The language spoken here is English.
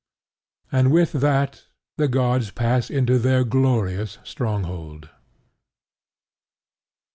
And with that the gods pass into their glorious stronghold.